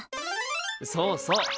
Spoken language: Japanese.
そうそう！